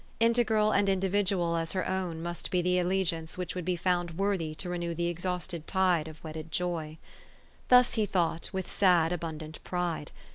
Integral and individual as her own must be the alle giance which would be found worthy to renew the exhausted tide of wedded joy. Thus he thought, with sad, abundant pride.